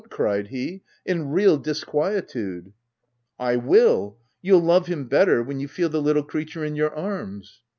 cried he, in real disquietude. " I will : you'll love him better, when you feel the little creature in your arms."